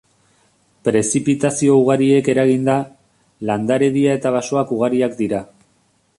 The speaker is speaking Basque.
Prezipitazio ugariek eraginda, landaredia eta basoak ugariak dira.